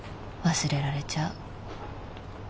忘れられちゃう